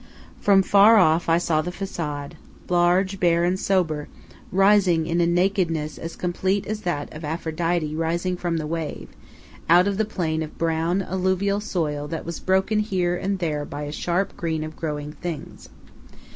From far off I saw the façade, large, bare, and sober, rising, in a nakedness as complete as that of Aphrodite rising from the wave, out of the plain of brown, alluvial soil that was broken here and there by a sharp green of growing things.